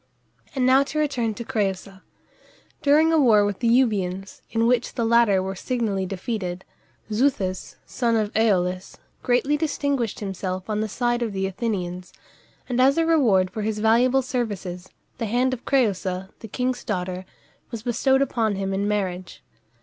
And now to return to Crëusa. During a war with the Euboeans, in which the latter were signally defeated, Xuthus, son of Æolus, greatly distinguished himself on the side of the Athenians, and as a reward for his valuable services, the hand of Crëusa, the king's daughter, was bestowed upon him in marriage.